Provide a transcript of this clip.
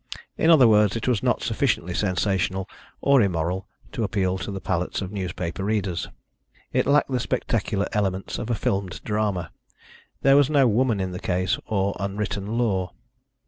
In other words, it was not sufficiently sensational or immoral to appeal to the palates of newspaper readers. It lacked the spectacular elements of a filmed drama; there was no woman in the case or unwritten law.